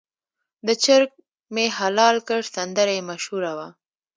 د چرګ مې حلال کړ سندره یې مشهوره وه.